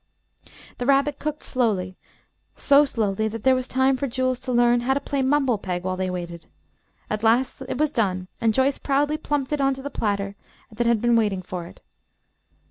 The rabbit cooked slowly, so slowly that there was time for Jules to learn how to play mumble peg while they waited. At last it was done, and Joyce proudly plumped it into the platter that had been waiting for it.